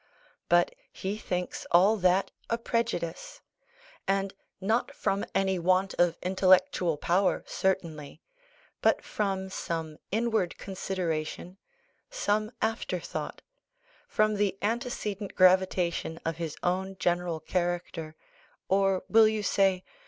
But he thinks all that a prejudice; and not from any want of intellectual power certainly, but from some inward consideration, some afterthought, from the antecedent gravitation of his own general character or, will you say?